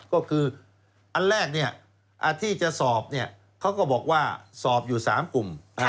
ก็คืออันแรกที่จะสอบเขาก็บอกว่าสอบอยู่๓กลุ่ม